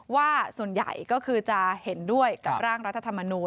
ว่าส่วนใหญ่ก็คือจะเห็นด้วยกับร่างรัฐธรรมนูล